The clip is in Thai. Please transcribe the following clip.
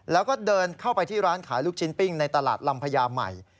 แล้วก็เดินเข้าไปที่ร้านขายลูกชิ้นปิ้งในตลาดลำพญาใหม่